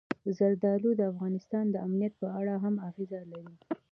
زردالو د افغانستان د امنیت په اړه هم اغېز لري.